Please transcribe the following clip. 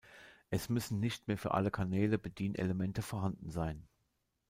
Es müssen nicht mehr für alle Kanäle Bedienelemente vorhanden sein.